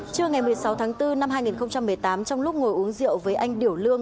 trưa ngày một mươi sáu tháng bốn năm hai nghìn một mươi tám trong lúc ngồi uống rượu với anh điểu lương